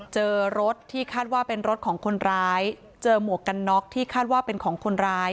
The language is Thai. เจอรถที่คาดว่าเป็นรถของคนร้ายเจอหมวกกันน็อกที่คาดว่าเป็นของคนร้าย